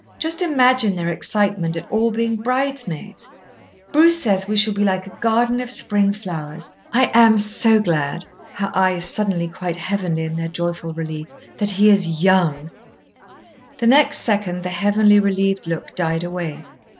Just imagine their excitement at all being bridesmaids! Bruce says we shall be like a garden of spring flowers. I am so glad," her eyes suddenly quite heavenly in their joyful relief, "that he is young!" The next second the heavenly relieved look died away.